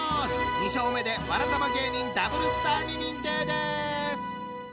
２勝目でわらたま芸人ダブルスターに認定です！